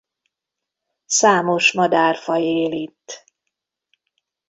Számos madárfaj él itt.